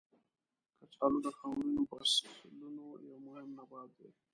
کچالو د خاورین فصلونو یو مهم نبات دی.